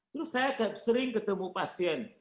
terus saya sering ketemu pasien